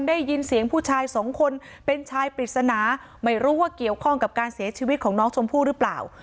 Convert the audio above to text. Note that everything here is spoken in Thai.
ได้ยินเสียงผู้ชายสองคนเป็นชายปริศนาไม่รู้ว่าเกี่ยวข้องกับการเสียชีวิตของน้องชมพู่หรือเปล่า